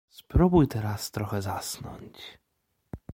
Spróbuj teraz trochę zasnąć!